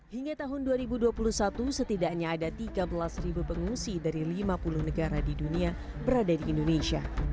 hingga tahun dua ribu dua puluh satu setidaknya ada tiga belas pengungsi dari lima puluh negara di dunia berada di indonesia